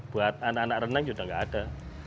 buat anak anak renang sudah tidak ada